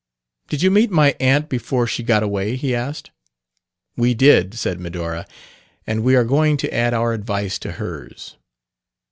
"Did you meet my aunt before she got away?" he asked. "We did," said Medora, "and we are going to add our advice to hers."